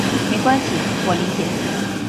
没关系，我理解。